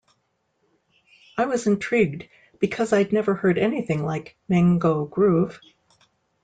I was intrigued because I'd never heard anything like Mango Groove.